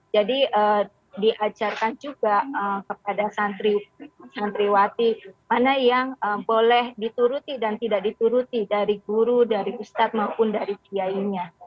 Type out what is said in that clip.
jadi diajarkan juga kepada santriwati mana yang boleh dituruti dan tidak dituruti dari guru dari ustad maupun dari kiainya